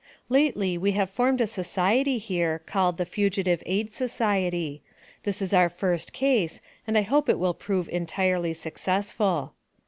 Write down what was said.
Lately we have formed a Society here, called the Fugitive Aid Society. This is our first case, and I hope it will prove entirely successful.